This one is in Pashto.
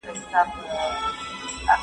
زه خپل کلتور خوښوم.